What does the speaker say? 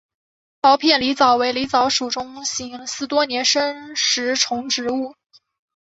苞片狸藻为狸藻属中型似多年生食虫植物。